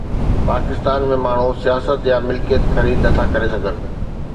پاڪستان ۾ ماڻهو سياست يا ملڪيت خريد نٿا ڪري سگهن